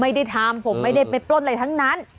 ไม่ได้ทำผมไม่ได้ไปปล้นอะไรทั้งนั้น